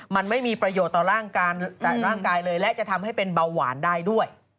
มันไม่มีประโยชน์ต่อร่างกายเลยและจะทำให้เป็นเบาหวานได้ด้วย